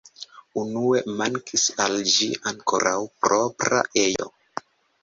Unue mankis al ĝi ankoraŭ propra ejo.